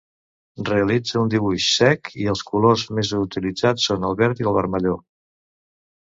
Realitza un dibuix sec i els colors més utilitzats són el verd i el vermelló.